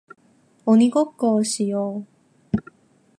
鬼ごっこをしよう